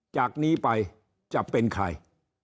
จากนี้ไปจะเป็นใคร